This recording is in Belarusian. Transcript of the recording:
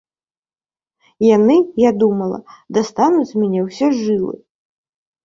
Яны, я думала, дастануць з мяне ўсе жылы.